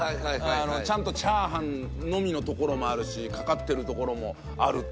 ちゃんとチャーハンのみのところもあるしかかってるところもあるっていうのがね。